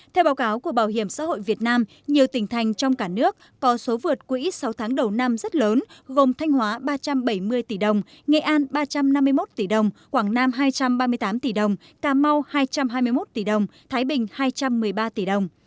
theo báo cáo của bảo hiểm xã hội việt nam nhiều tỉnh thành trong cả nước có số vượt quỹ sáu tháng đầu năm rất lớn gồm thanh hóa ba trăm bảy mươi tỷ đồng nghệ an ba trăm năm mươi một tỷ đồng quảng nam hai trăm ba mươi tám tỷ đồng cà mau hai trăm hai mươi một tỷ đồng thái bình hai trăm một mươi ba tỷ đồng